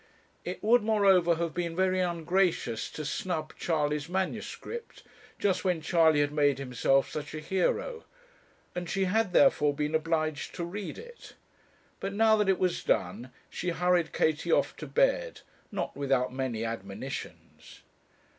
It would moreover have been very ungracious to snub Charley's manuscript, just when Charley had made himself such a hero; and she had, therefore, been obliged to read it. But now that it was done, she hurried Katie off to bed, not without many admonitions.